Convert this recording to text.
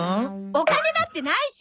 お金だってないし！